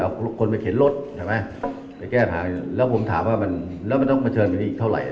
เอาตัวคนไปเข็นรถไปแก้ปัญหาแล้วผมถามว่าแล้วมันต้องเล็กรุ่นอีกเท่าไหร่